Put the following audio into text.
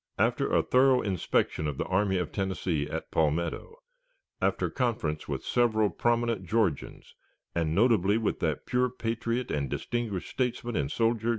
After a thorough inspection of the Army of Tennessee at Palmetto, after conference with several prominent Georgians, and notably with that pure patriot and distinguished statesman and soldier.